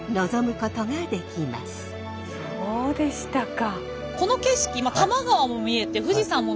そうでしたか。